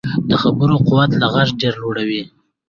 د خبرو قوت له غږ ډېر لوړ وي